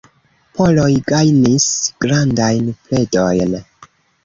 Poloj gajnis grandajn predojn.